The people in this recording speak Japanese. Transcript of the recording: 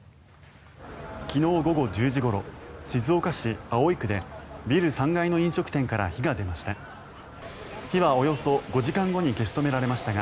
昨日午後１０時ごろ静岡市葵区でビル３階の飲食店から火が出ました。